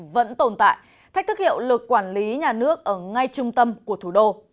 vẫn tồn tại thách thức hiệu lực quản lý nhà nước ở ngay trung tâm của thủ đô